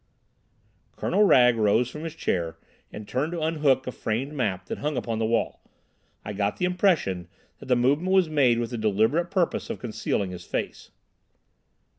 Colonel Wragge rose from his chair and turned to unhook a framed map that hung upon the wall. I got the impression that the movement was made with the deliberate purpose of concealing his face.